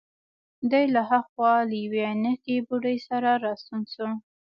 دی له هاخوا له یوې عینکې بوډۍ سره راستون شو.